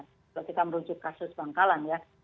kalau kita merujuk kasus bangkalan ya